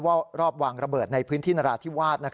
ว่ารอบวางระเบิดในพื้นที่นราศที่วาด